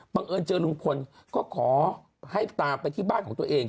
เอิญเจอลุงพลก็ขอให้ตามไปที่บ้านของตัวเอง